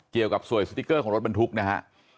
เกี่ยวกับสวยสติ๊กเกอร์ของรถบรรทุกนะฮะ